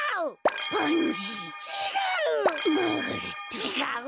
ちがう！